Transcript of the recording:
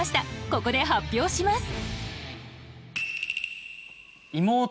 ここで発表します。